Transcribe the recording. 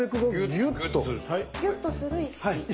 ギュッとする意識。